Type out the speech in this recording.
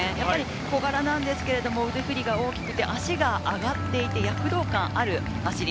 小柄ですけど、手振りが大きくて足が上がっていて躍動感ある走り。